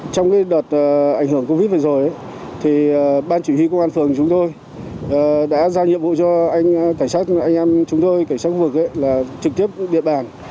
trong đợt ảnh hưởng covid vừa rồi ban chỉ huy công an phường chúng tôi đã ra nhiệm vụ cho anh em chúng tôi cảnh sát khu vực là trực tiếp địa bàn